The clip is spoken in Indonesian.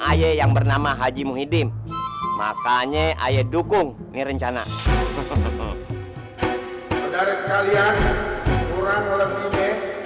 ayah yang bernama haji muhyiddin makanya ayah dukung nirincana dari sekalian kurang lebih